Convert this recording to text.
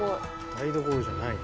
台所じゃないんだ。